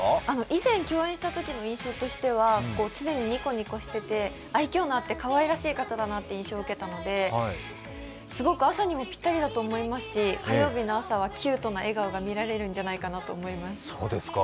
以前共演したときの印象としては常ににこにこして愛きょうがあってかわいらしい方だなという印象を受けたので、朝にピッタリだと思いますし、火曜日の朝はキュートな笑顔が見られるんじゃないかなと思います。